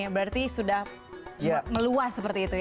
berarti sudah meluas seperti itu ya